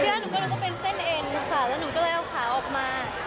แล้วหนูก็เลยเอาขาออกมา